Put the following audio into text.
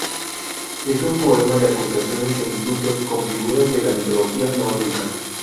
Es un poema de acusaciones e insultos con figuras de la mitología nórdica.